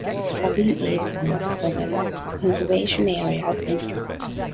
Fobbing is one of seven conservation areas in Thurrock.